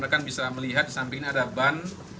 kita melihat samping ini ada ban